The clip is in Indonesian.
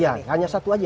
ya hanya satu saja